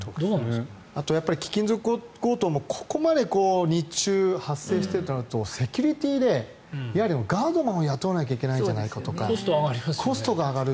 あと、貴金属強盗もここまで日中発生してるとなるとセキュリティーでガードマンを雇わなきゃいけないんじゃないかとかコストが上がる。